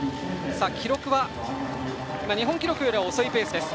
記録は日本記録よりは遅いペースです。